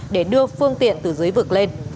để đưa phương tiện từ dưới vực lên